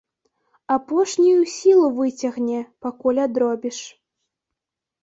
Апошнюю сілу выцягне, пакуль адробіш.